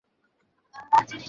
সেইসব তথ্য আমার হ্রাতে নেই।